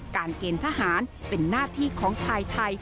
เกณฑ์ทหารเป็นหน้าที่ของชายไทย